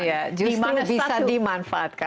justru bisa dimanfaatkan